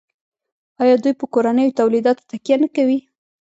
آیا دوی په کورنیو تولیداتو تکیه نه کوي؟